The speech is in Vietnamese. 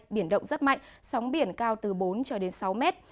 biển động rất mạnh sóng biển cao từ bốn cho đến sáu mét